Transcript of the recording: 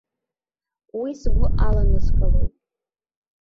Уи сгәы аланыскылоит.